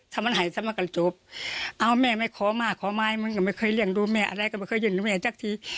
ถ้ามันให้สำหรับการจูบเอาแม่ไม่ขอมาขอไม่มันก็ไม่เคยเลี้ยงดูแม่อะไรก็ไม่เคยยืนแม่จักที